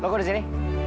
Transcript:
kok udah sini